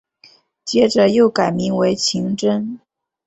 接着又改名为晴贞。